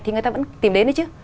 thì người ta vẫn tìm đến đấy chứ